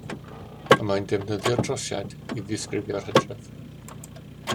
Y mae'n defnyddio'r trosiad i ddisgrifio'r hydref